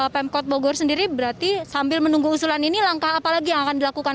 pemkot bogor sendiri berarti sambil menunggu usulan ini langkah apa lagi yang akan dilakukan